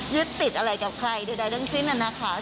ยึดติดอะไรกับใครโดยใดเรื่องสิ้นนั่นนะคะ